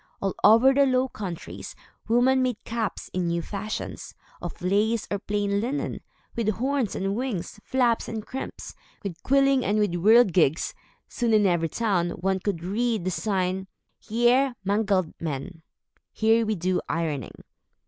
All over the Low Countries, women made caps, in new fashions, of lace or plain linen, with horns and wings, flaps and crimps, with quilling and with whirligigs. Soon, in every town, one could read the sign "Hier mangled men" (Here we do ironing).